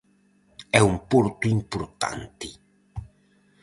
É un porto importante.